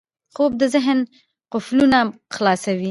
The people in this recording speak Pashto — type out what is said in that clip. خوب د ذهن قفلونه خلاصوي